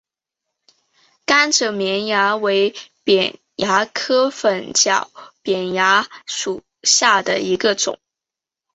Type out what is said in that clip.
甘蔗绵蚜为扁蚜科粉角扁蚜属下的一个种。